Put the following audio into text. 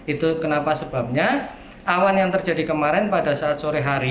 itu kenapa sebabnya awan yang terjadi kemarin pada saat sore hari